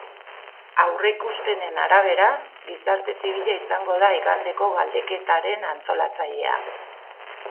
Aurreikuspenen arabera, gizarte zibila izango da igandeko galdeketaren antolatzailea.